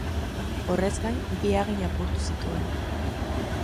Horrez gain, bi agin apurtu zituen.